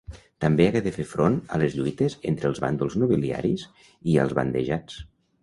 També hagué de fer front a les lluites entre els bàndols nobiliaris i als bandejats.